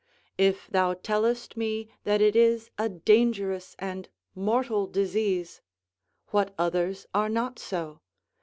If thou tellest me that it is a dangerous and mortal disease, what others are not so?